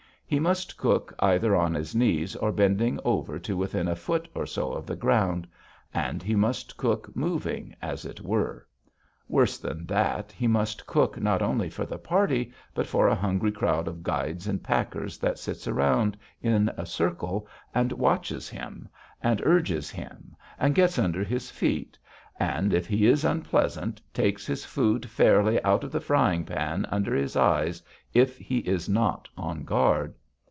He must cook either on his knees or bending over to within a foot or so of the ground. And he must cook moving, as it were. Worse than that, he must cook not only for the party but for a hungry crowd of guides and packers that sits around in a circle and watches him, and urges him, and gets under his feet, and, if he is unpleasant, takes his food fairly out of the frying pan under his eyes if he is not on guard.